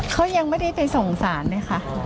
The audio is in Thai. เขายังไม่ได้ไปส่งสารเลยค่ะ